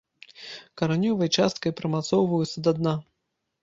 Каранёвай часткай прымацоўваюцца да дна.